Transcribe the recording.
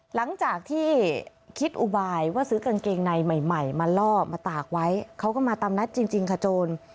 หลังจากที่คิดอุบายว่าซื้อกางเกงในใหม่มาล่อมาตากไว้เขาก็มาตามนัดจริงค่ะโจร